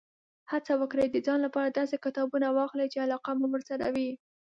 هڅه وکړئ، د ځان لپاره داسې کتابونه واخلئ، چې علاقه مو ورسره وي.